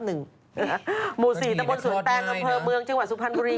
หมู่๔ตะบนสวนแตงอำเภอเมืองจังหวัดสุพรรณบุรี